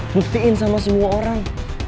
buktiin sama semua orang